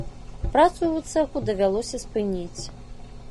Працу ў цэху давялося спыніць.